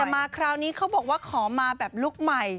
แต่มาคราวนี้เขาบอกว่าขอมาแบบลุคใหม่